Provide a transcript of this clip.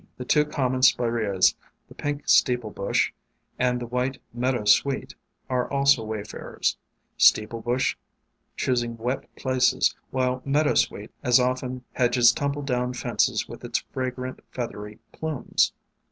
The two common Spireas, the pink Steeple Bush and the white Meadow Sweet, are also way farers, Steeple Bush choosing wet places, while Meadow Sweet as often hedges tumble down fences with its fragrant feathery plumes.